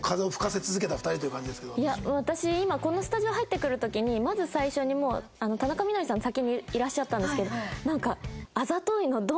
今このスタジオ入ってくる時にまず最初にもう田中みな実さん先にいらっしゃったんですけどなんかあざといのドンっていう感じで。